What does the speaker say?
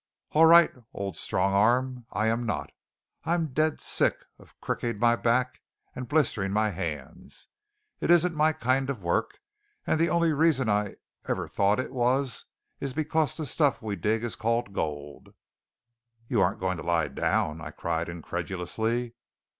"All right, old strong arm; I am not. I'm dead sick of cricking my back and blistering my hands. It isn't my kind of work; and the only reason I ever thought it was is because the stuff we dig is called gold." "You aren't going to lie down?" I cried incredulously.